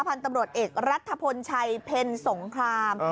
พันธุ์ตำรวจเอกรัฐพลชัยเพ็ญสงคราม